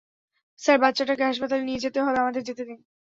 Sir, বাচ্চাটাকে হাসপাতালে নিয়ে যেতে হবে আমাদের যেতে দিন।